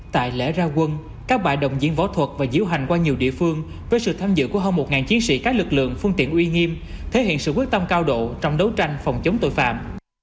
tại lễ ra quân các bài đồng diễn võ thuật và diễu hành qua nhiều địa phương với sự tham dự của hơn một chiến sĩ các lực lượng phương tiện uy nghiêm thể hiện sự quyết tâm cao độ trong đấu tranh phòng chống tội phạm